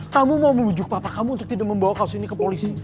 kamu mau membujuk papa kamu untuk tidak membawa kasus ini ke polisi